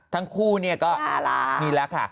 ทั้งคู่เนี่ยก็มีแล้วค่ะ